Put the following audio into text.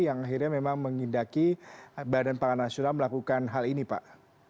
yang akhirnya memang mengindaki badan pangan nasional melakukan hal ini pak